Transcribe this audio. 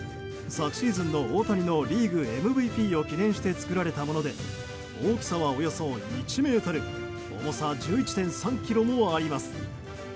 昨シーズンの大谷のリーグＭＶＰを記念して作られたもので大きさはおよそ１ｍ重さ１１．３ｋｇもあります。